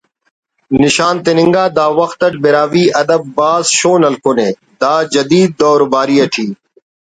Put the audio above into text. نشان تننگا دا وخت اٹ براہوئی ادب بھاز شون ہلکنے دا جدید دور باری ٹی